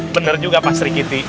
bener juga pak sri kiti